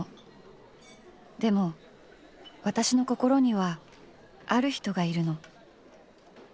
でも私の心にはある人がいるの。